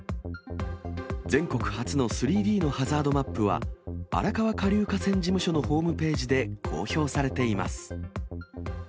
全国初の３Ｄのハザードマップは、荒川下流河川事務所のホームページで公表されています。